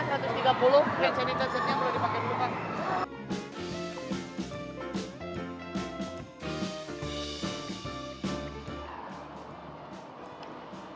oke jadi jasetnya perlu dipakai di depan